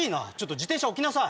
自転車置きなさい！